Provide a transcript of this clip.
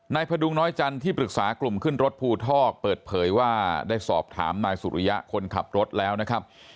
พดุงน้อยจันทร์ที่ปรึกษากลุ่มขึ้นรถภูทอกเปิดเผยว่าได้สอบถามนายสุริยะคนขับรถแล้วนะครับ